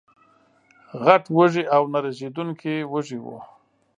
غټ وږي او نه رژېدونکي وږي وو